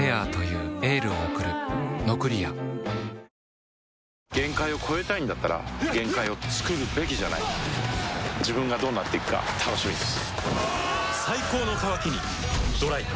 しかも限界を越えたいんだったら限界をつくるべきじゃない自分がどうなっていくか楽しみです